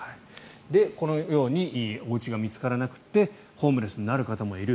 このようにおうちが見つからなくてホームレスになる方もいる。